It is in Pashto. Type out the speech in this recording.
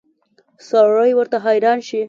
سړی ورته حیران شي.